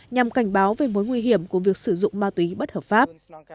nhằm cảnh báo về mối nguy hiểm của việc sử dụng ma túy bất hợp pháp